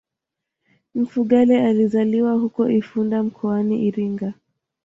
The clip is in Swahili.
Mfugale alizaliwa huko Ifunda mkoani Iringa